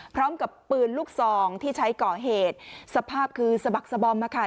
พร้อมกับปืนลูกซองที่ใช้ก่อเหตุสภาพคือสะบักสะบอมมาค่ะ